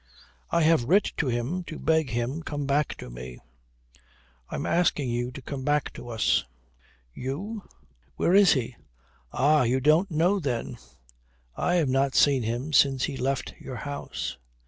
"I have writ to him to beg him come back to me." "I am asking you to come back to us." "You " "Where is he?" "Ah, you don't know then?" "I have not seen him since he left your house."